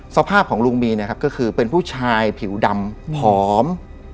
สภาพของลุงมีก็คือเป็นผู้ชายผิวดำผอม